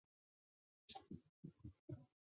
讷伊莱旺丹。